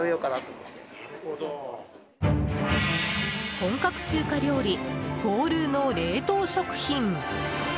本格中華料理、四陸の冷凍食品。